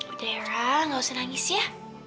udah era gak usah nangis ya